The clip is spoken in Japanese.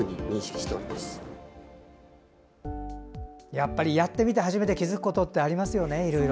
やっぱりやってみて初めて気付くことってありますよね。